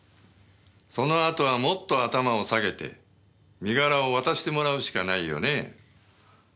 その後はもっと頭を下げて身柄を渡してもらうしかないよね。